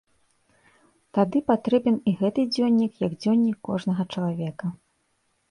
Тады патрэбен і гэты дзённік, як дзённік кожнага чалавека.